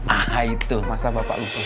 ah itu masa bapak luhut